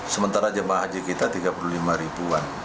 sementara jemaah haji kita tiga puluh lima ribuan